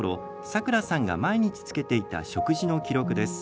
さくらさんが毎日つけていた食事の記録です。